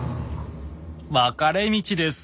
分かれ道です。